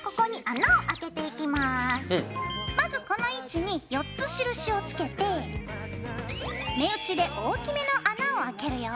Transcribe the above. まずこの位置に４つ印をつけて目打ちで大きめの穴をあけるよ。ＯＫ！